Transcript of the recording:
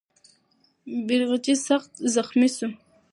بیرغچی سخت زخمي سو.